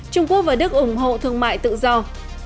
trung quốc và đức ủng hộ thương mại tự do